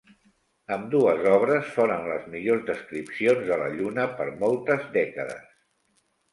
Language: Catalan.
Ambdues obres foren les millors descripcions de la Lluna per moltes dècades.